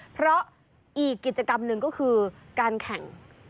เพราะอีกกิจกรรมหนึ่งก็คือการแข่ง